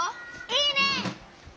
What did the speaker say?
いいね！